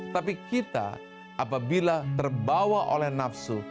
tapi kita apabila terbawa oleh nafsu